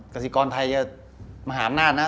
กสิกรไทยเยอะมหานาศน์นะ